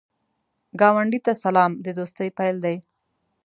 ګاونډي ته سلام، د دوستۍ پیل دی